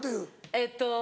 えっと。